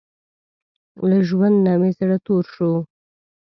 له ژوند نۀ مې زړه تور شو